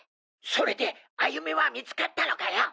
それで歩美は見つかったのかよ？